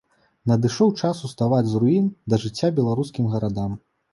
Надышоў час уставаць з руін да жыцця беларускім гарадам.